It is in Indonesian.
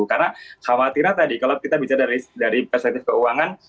karena khawatirnya tadi kalau kita bicara dari perspektif keuangan